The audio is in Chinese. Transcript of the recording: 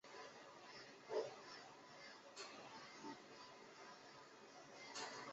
本桐站日高本线上的站。